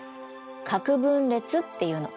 核分裂っていうの。